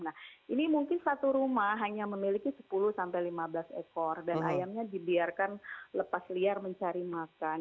nah ini mungkin satu rumah hanya memiliki sepuluh sampai lima belas ekor dan ayamnya dibiarkan lepas liar mencari makan